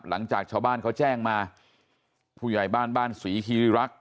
หลังจากชาวบ้านเขาแจ้งมาผู้ใหญ่บ้านบ้านศรีคิริรักษ